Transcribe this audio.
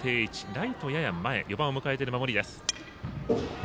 ライトやや前４番を迎えている守り。